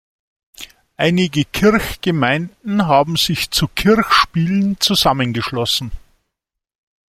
Einige Kirchgemeinden haben sich zu "Kirchspielen" zusammengeschlossen.